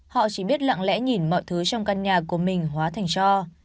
họ chỉ biết lặng lẽ nhìn mọi thứ trong căn nhà của mình hóa thành cho